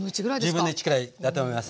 １０分の１くらいだと思います。